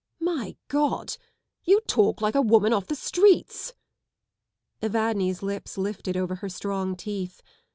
" My God, you talk like a woman off the streets I " Evadne's lips lifted over her strong teeth.